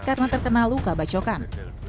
karena terkena luka bacokan